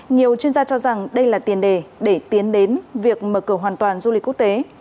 nhiều chuyên gia cho rằng đây là tiền đề để tiến đến việc mở cửa hoàn toàn du lịch quốc tế